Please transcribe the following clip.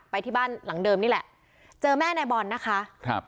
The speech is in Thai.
ไปที่บ้านหลังเดิมนี่แหละเจอแม่นายบอลนะคะครับ